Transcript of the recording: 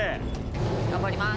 頑張ります！